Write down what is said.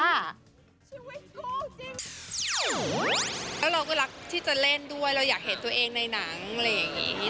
แล้วเราก็รักที่จะเล่นด้วยเราอยากเห็นตัวเองในหนังอะไรอย่างนี้